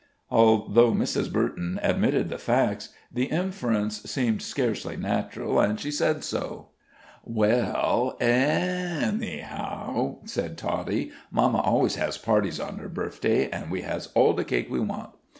Although Mrs. Burton admitted the facts, the inference seemed scarcely natural, and she said so. "Well a a a a _any_how," said Toddie, "mamma always has parties on her bifeday, an' we hazh all the cake we want."